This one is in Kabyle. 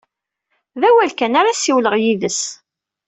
D awal kan ara ssiwleɣ yid-s.